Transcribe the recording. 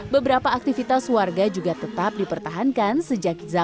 beberapa aktivitas warga juga tetap dipertahankan sejak zaman